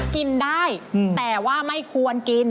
กินได้แต่ว่าไม่ควรกิน